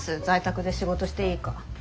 在宅で仕事していいか。